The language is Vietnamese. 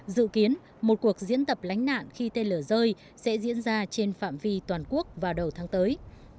dự kiến một cuộc diễn tập lánh nạn khi tên lửa rơi sẽ diễn ra trên phạm vi toàn quốc vào đầu tháng tới